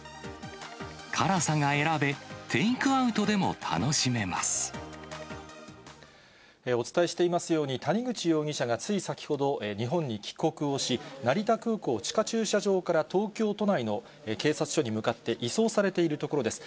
辛さが選べ、テイクアウトでお伝えしていますように、谷口容疑者がつい先ほど、日本に帰国をし、成田空港地下駐車場から東京都内の警察署に向かって移送されているところです。